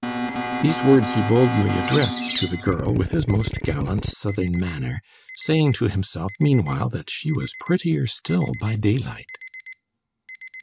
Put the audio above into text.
These words he boldly addressed to the girl, with his most gallant Southern manner, saying to himself meanwhile that she was prettier still by daylight.